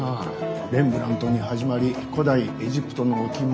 レンブラントに始まり古代エジプトの置物。